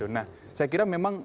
nah saya kira memang